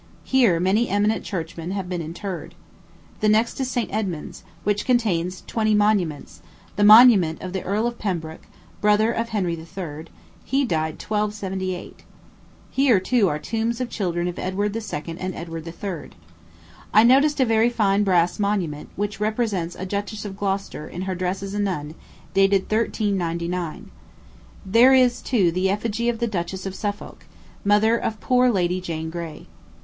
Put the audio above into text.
Here many eminent churchmen have been interred. The next is St. Edmond's, which contains twenty monuments; the monument of the Earl of Pembroke, brother of Henry III.; he died 1298. Here, too, are tombs of children of Edward II. and Edward III. I noticed a very fine brass monument, which represents a Duchess of Gloucester in her dress as a nun, dated 1399. There is, too, the effigy of the Duchess of Suffolk, mother of poor Lady Jane Grey.